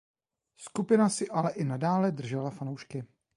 Skupina si ale i nadále držela fanoušky.